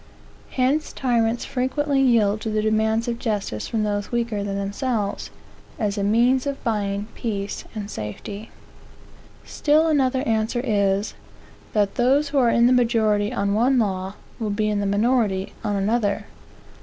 Hence tyrants frequently yield to the demands of justice from those weaker than themselves, as a means of buying peace and safety. Still another answer is, that those who are in the majority on one law, will be in the minority on another.